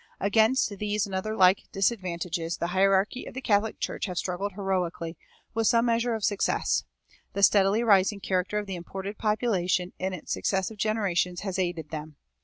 Against these and other like disadvantages the hierarchy of the Catholic Church have struggled heroically, with some measure of success. The steadily rising character of the imported population in its successive generations has aided them.